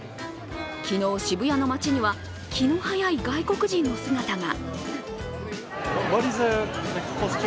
昨日、渋谷の街には気の早い外国人の姿が。